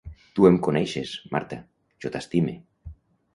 Tu em coneixes, Marta, jo t'estime.